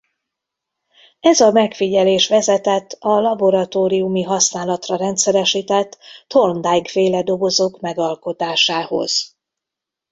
Ez a megfigyelés vezetett a laboratóriumi használatra rendszeresített Thorndike-féle dobozok megalkotásához.